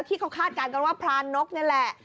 คาดการณ์กันว่าพรานกนี่แหละ